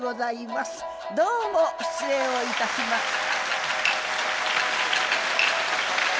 どうも失礼をいたしました。